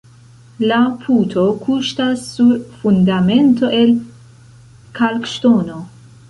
La puto kuŝtas sur fundamento el kalkŝtono.